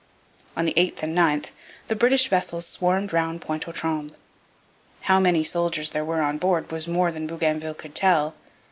On the 8th and 9th the British vessels swarmed round Pointe aux Trembles. How many soldiers there were on board was more than Bougainville could tell.